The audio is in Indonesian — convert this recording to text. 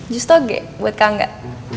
justo g buat kang gat